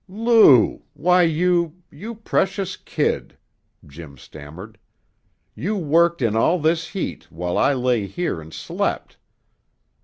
"Lou! Why, you you precious kid!" Jim stammered. "You worked in all this heat, while I lay here and slept."